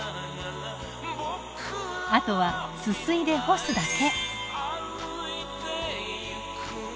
あとはすすいで干すだけ。